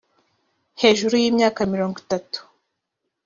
hejuru y imyaka mirongo itatu